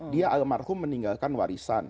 dia almarhum meninggalkan warisan